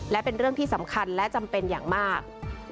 และเป็นเรื่องที่สำคัญและจำเป็นอย่างมาก